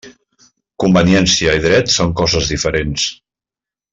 Conveniència i dret són coses diferents.